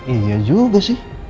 iya juga sih